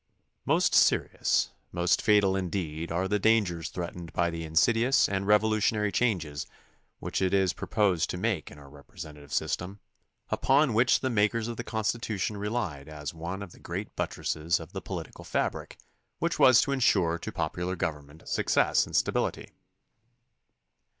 Most serious, most fatal indeed are the dangers threatened by the insidious and revolutionary changes which it is proposed to make in our representative system, upon which the makers of the Constitution rehed as one of the great buttresses of the political fabric which was to insure to popular government success and stability.